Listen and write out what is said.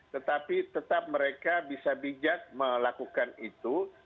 tetapi tetap mereka bisa bijak melakukan itu